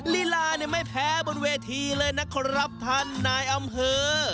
ลีลาเนี่ยไม่แพ้บนเวทีเลยนะครับท่านนายอำเภอ